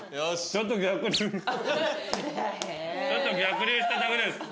ちょっと逆流しただけです。